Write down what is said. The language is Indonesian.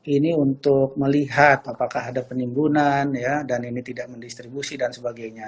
ini untuk melihat apakah ada penimbunan dan ini tidak mendistribusi dan sebagainya